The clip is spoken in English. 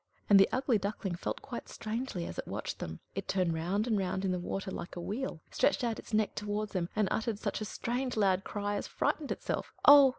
and the ugly Duckling felt quite strangely as it watched them. It turned round and round in the water like a wheel, stretched out its neck towards them, and uttered such a strange loud cry as frightened itself. Oh!